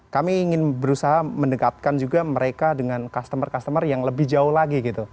kami ingin berusaha mendekatkan juga mereka dengan customer customer yang lebih jauh lagi gitu